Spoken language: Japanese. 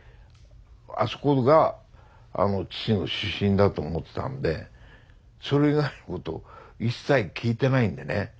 あそこが父の出身だと思ってたんでそれ以外のこと一切聞いてないんでね。